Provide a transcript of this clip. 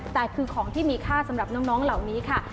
แต่คือของที่มีค่าสำหรับน้องเหล่านี้ค่ะ